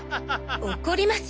怒ります。